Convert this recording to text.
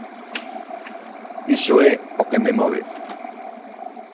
Iso é o que me move.